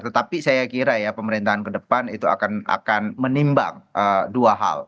tetapi saya kira ya pemerintahan ke depan itu akan menimbang dua hal